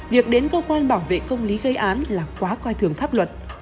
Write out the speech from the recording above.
việc đến cơ quan bảo vệ công lý gây án là quá coi thường pháp luật